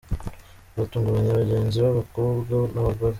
butunguranye abagenzi b’abakobwa n’abagore.